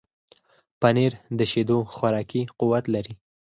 پنېر د شیدو خوراکي قوت لري.